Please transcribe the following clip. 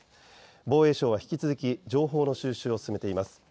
防衛省は引き続き情報の収集を進めています。